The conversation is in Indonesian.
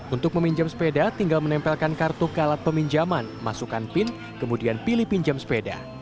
untuk meminjam sepeda tinggal menempelkan kartu ke alat peminjaman masukkan pin kemudian pilih pinjam sepeda